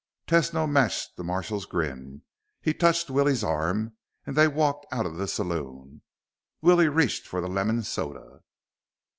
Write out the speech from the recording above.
Tesno matched the marshal's grin. He touched Willie's arm and they walked out of the saloon. Willie reached for the lemon soda.